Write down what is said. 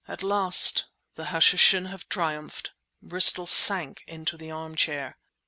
At last the Hashishin have triumphed." Bristol sank into the armchair.